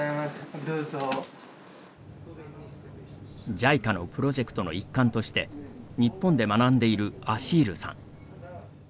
ＪＩＣＡのプロジェクトの一環として日本で学んでいるアシールさん。